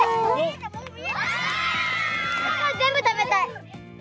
全部食べたい。